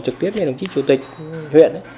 trực tiếp với đồng chí chủ tịch huyện